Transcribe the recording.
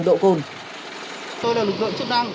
tôi là lực lượng chức năng